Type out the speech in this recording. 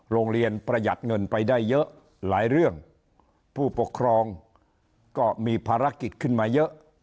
ประหยัดเงินไปได้เยอะหลายเรื่องผู้ปกครองก็มีภารกิจขึ้นมาเยอะ